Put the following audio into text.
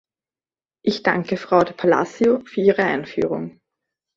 Ich danke Frau de Palacio für ihre Einführung.